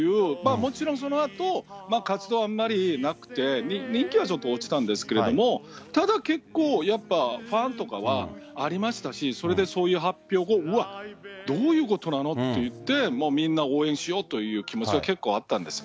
もちろんそのあと、活動はあまりなくて、人気はちょっと落ちたんですけれども、ただ、結構、やっぱファンとかはありましたし、それでそういう発表後は、どういうことなのと言って、もうみんな、応援しようという気持ちは結構あったんですね。